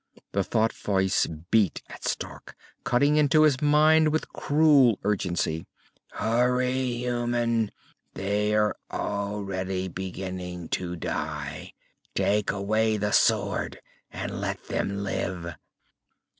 The thought voice beat at Stark, cutting into his mind with cruel urgency. "Hurry, human! They are already beginning to die. Take away the sword, and let them live!"